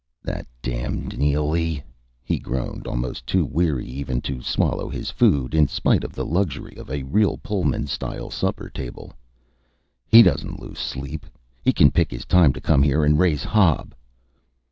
"That damned Neely," he groaned, almost too weary even to swallow his food, in spite of the luxury of a real, pullman style supper table. "He doesn't lose sleep. He can pick his time to come here and raise hob!"